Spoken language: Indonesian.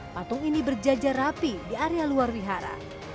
patung ini berjajar rapi di area luar wihara